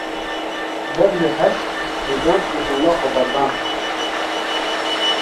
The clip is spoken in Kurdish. Dev ji heş, wijdan û ola xwe berdan.